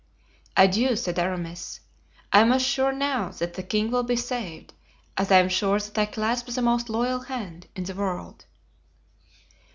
"Adieu," said Aramis. "I am as sure now that the king will be saved as I am sure that I clasp the most loyal hand in the world."